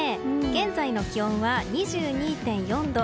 現在の気温は２２．４度。